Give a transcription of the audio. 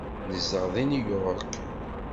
Nezdeɣ deg New York.